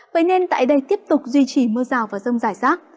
vậy nên tại đây tiếp tục duy trì mưa rào và rông rải rác